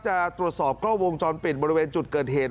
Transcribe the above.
จะตรวจสอบกล้องวงจรปิดบริเวณจุดเกิดเหตุ